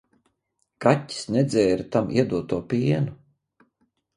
Kaķis nedzēra tam iedoto pienu.